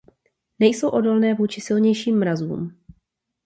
Nejsou odolné vůči silnějším mrazům.